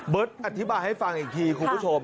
อธิบายให้ฟังอีกทีคุณผู้ชม